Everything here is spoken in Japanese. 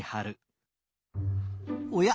おや？